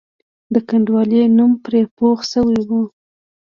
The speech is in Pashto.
د کنډوالې نوم پرې پوخ شوی وو.